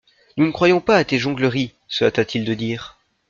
Nous ne croyons pas à tes jongleries, se hâta-t-il de dire.